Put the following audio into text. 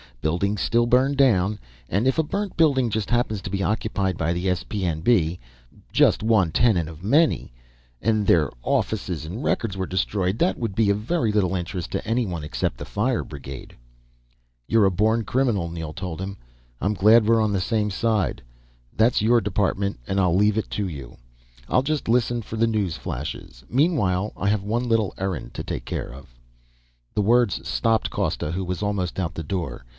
Buildings still burn down. And if a burnt building just happened to be occupied by the S.P.N.B. just one tenant of many and their offices and records were destroyed; that would be of very little interest to anyone except the fire brigade." "You're a born criminal," Neel told him. "I'm glad we're on the same side. That's your department and I leave it to you. I'll just listen for the news flashes. Meanwhile I have one little errand to take care of." The words stopped Costa, who was almost out the door.